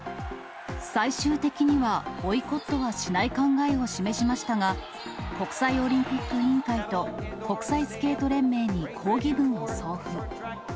最終的には、ボイコットはしない考えを示しましたが、国際オリンピック委員会と国際スケート連盟に抗議文を送付。